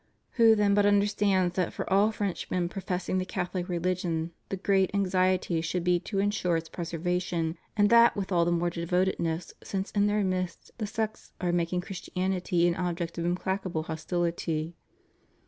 Who then but understands that for all Frenchmen professing the Catholic rehgion the great anxiety should be to insure its preservation, and that with all the more devotedness since in their midst the sects are making Christianity an object of implacable hostility.